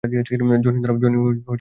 Johnny, দাঁড়াও!